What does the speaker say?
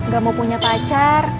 gak mau punya pacar